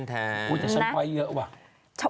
แต่ฉันคอยเยอะว่ะ